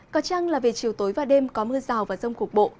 có chăng là về chiều tối và đêm có mưa rào và rông cục bộ